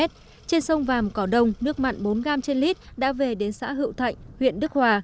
trên sông vàm cỏ đông nước mặn bốn gram trên lít đã về đến xã hữu thạnh huyện đức hòa